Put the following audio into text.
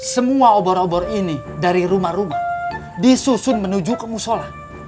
semua obor obor ini dari rumah rumah disusun menuju ke musola